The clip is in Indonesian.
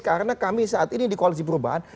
karena kami saat ini di koalisi perubahan